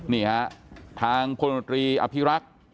นี่ครับทางโฟนุนตรีอภิรักษ์